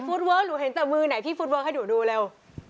ไหนฟุตเวิร์กหรือเห็นแต่มือไหนพี่ฟุตเวิร์กให้ดูเร็ว